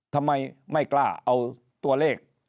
ทำไมไม่กล้าเอาตัวเลข